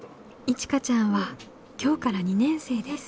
いちかちゃんは今日から２年生です。